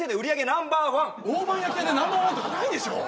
ナンバーワン大判焼き屋でナンバーワンとかないでしょ